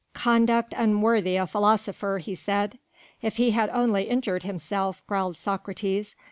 "Conduct unworthy a philosopher," he said. "If he had only injured himself," growled Socrates.